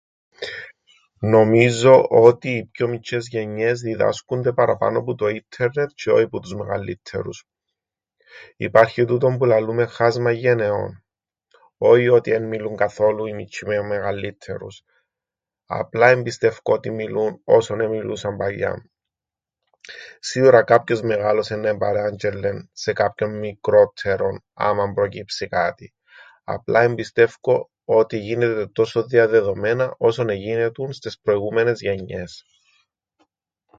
Νομίζω ότι οι πιο μιτσ̆ιές γενιές διδάσκουνται παραπάνω που το ίντερνετ τζ̆αι όι που τους μεγαλλύττερους. Υπάρχει τούτον που λαλούμεν χάσμαν γενεών. Όι ότι εν μιλούν καθόλου οι μιτσ̆οί με μεγαλλύττερους. Απλά εν πιστεύκω ότι μιλούν όσον εμιλούσαν παλιά. Σίουρα κάποιος μεγάλος εννά επαράντζ̆ελλεν σε κάποιον μικρόττερον άμαν προκύψει κάτι. Απλά εν πιστεύκω ότι γίνεται τόσον διαδεδομένα όσον εγίνετουν στες προηγούμενες γενιές.